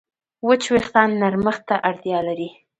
وچ وېښتيان نرمښت ته اړتیا لري.